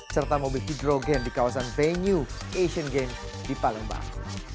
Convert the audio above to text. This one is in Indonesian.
serta mobil hidrogen di kawasan venue asian games di palembang